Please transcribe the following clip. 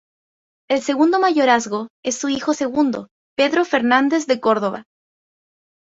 El segundo mayorazgo, en su hijo segundo, Pedro Fernández de Córdoba.